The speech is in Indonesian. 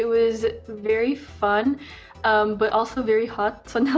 ya jadi kita rekamnya di new york dan itu sangat menyenangkan tapi juga sangat panas